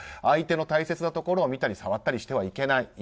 相手の大切なところを見たり触ったりしてはいけない。